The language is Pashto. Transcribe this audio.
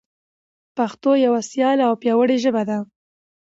پښتو یوه سیاله او پیاوړي ژبه ده.